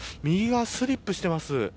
右側、スリップしています。